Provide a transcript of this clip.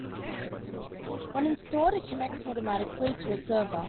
When installed, it connects automatically to a server.